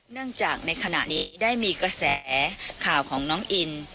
เนื่องจากในขณะนี้ได้มีกระแสข่าวของน้องอิน